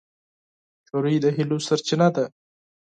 نجلۍ د هیلو سرچینه ده.